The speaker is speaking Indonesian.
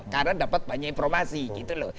karena dapat banyak informasi gitu loh